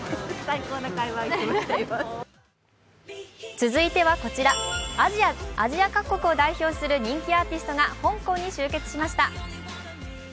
続いてはこちら、アジア各国を代表する人気アーティストが香港に集結しました。